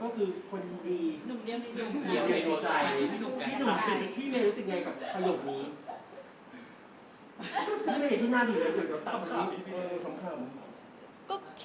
ครับผมใช่ค่ะผมชอบงานยู้ยู้มากค่ะ